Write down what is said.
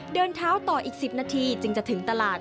เดินเท้าต่ออีก๑๐นาทีจึงจะถึงตลาด